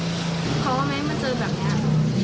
เธอว่าไม่ไหมมันเจอแบบเนี้ย